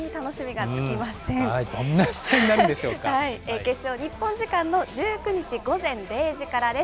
決勝、日本時間の１９日午前０時からです。